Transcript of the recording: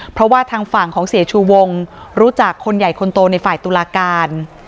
เพราะว่าทางฝั่งของเสียชูวงรู้จักคนใหญ่คนโตในฝ่ายตุลาการ